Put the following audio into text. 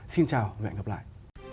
xin chào và hẹn gặp lại